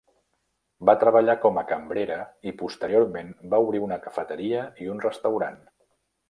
Va treballar com a cambrera i posteriorment va obrir una cafeteria i un restaurant.